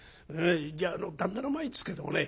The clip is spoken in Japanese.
じゃあ旦那の前ですけどもね